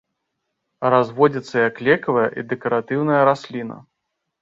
Разводзіцца як лекавая і дэкаратыўная расліна.